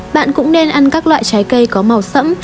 bạn cũng nên ăn các loại trái cây có màu sẫm